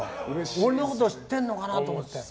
俺のこと知ってるのかなと思って。